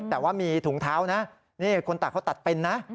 แต่ว่ามีถุงเท้านะนี่คนตัดเขาตัดเป็นนะ